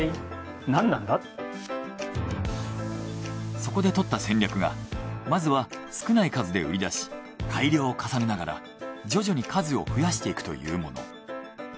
そこでとった戦略がまずは少ない数で売り出し改良を重ねながら徐々に数を増やしていくというもの。